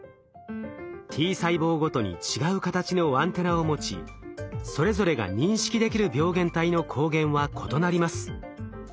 Ｔ細胞ごとに違う形のアンテナを持ちそれぞれが認識できる病原体の抗原は異なります。